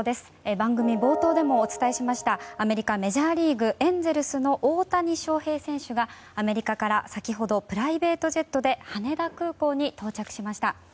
番組冒頭でもお伝えしましたアメリカ、メジャーリーグエンゼルスの大谷翔平選手がアメリカから先ほどプライベートジェットで羽田空港に到着しました。